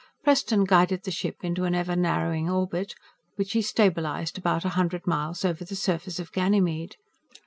Preston guided the ship into an ever narrowing orbit, which he stabilized about a hundred miles over the surface of Ganymede.